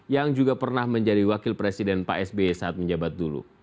yang juga pernah menjadi wakil presiden pak sbe saat menjabat dulu